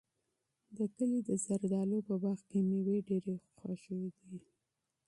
د کلي د زردالیو په باغ کې مېوې ډېرې خوږې دي.